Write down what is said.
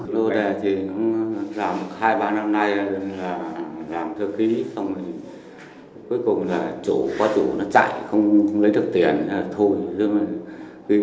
lô đề thì giảm hai ba năm nay là giảm thơ khí xong rồi cuối cùng là chủ qua chủ nó chạy không lấy được tiền thôi